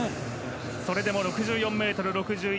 それでも６４ｍ６１。